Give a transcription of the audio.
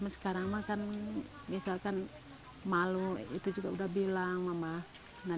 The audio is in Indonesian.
selama zitten vida dalam ruangan